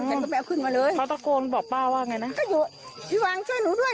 ฉันก็ไปเอาขึ้นมาเลยเขาตะโกนบอกป้าว่าไงนะก็อยู่พี่วางช่วยหนูด้วย